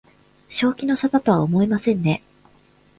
正気の沙汰とは思えませんね